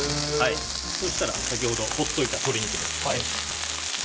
そしたら、先ほどほっておいた鶏肉です。